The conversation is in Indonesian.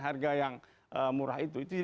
harga yang murah itu